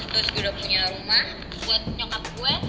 terus gue udah punya rumah buat nyokap gue